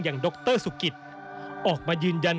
อย่างดรสุกิตออกมายืนยัน